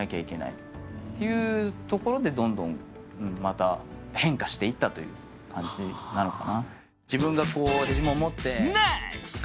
そういうところでどんどん変化していったという感じかな。